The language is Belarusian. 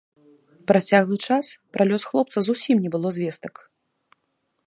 Працяглы час пра лёс хлопца зусім не было звестак.